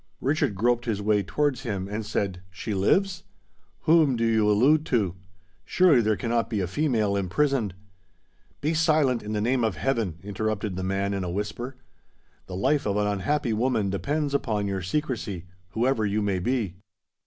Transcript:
Richard groped his way towards him, and said, "She lives? whom do you allude to? Surely there cannot be a female imprisoned——" "Be silent, in the name of heaven!" interrupted the man, in a whisper. "The life of an unhappy woman depends upon your secrecy—whoever you may be."